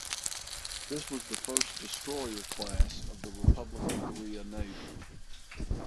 This was the first destroyer class of the Republic of Korea Navy.